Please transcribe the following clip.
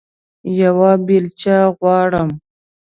یوه بیلچه غواړم